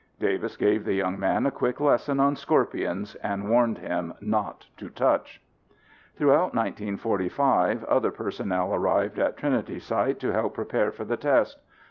Davis gave the young man a quick lesson on scorpions and warned him not to touch. Throughout 1945 other personnel arrived at Trinity Site to help prepare for the test.